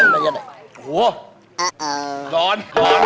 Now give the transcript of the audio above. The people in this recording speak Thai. อ๋อร้อน